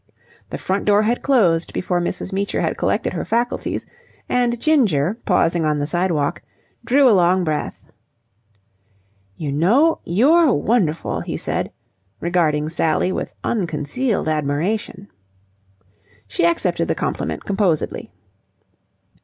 The front door had closed before Mrs. Meecher had collected her faculties; and Ginger, pausing on the sidewalk, drew a long breath. "You know, you're wonderful!" he said, regarding Sally with unconcealed admiration. She accepted the compliment composedly.